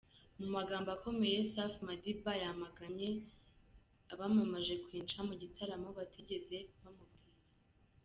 Mu magambo akomeye Safi Madiba yamaganye abamamaje Queen Cha mu gitaramo batigeze bamubwira.